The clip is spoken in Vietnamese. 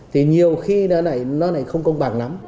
thì nhiều khi nó lại không công bằng lắm